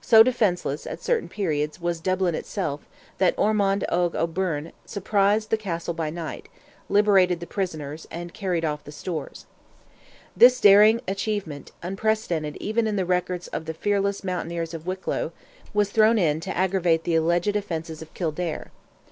So defenceless, at certain periods, was Dublin itself that Edmond Oge O'Byrne surprised the Castle by night, liberated the prisoners, and carried off the stores. This daring achievement, unprecedented even in the records of the fearless mountaineers of Wicklow, was thrown in to aggravate the alleged offences of Kildare.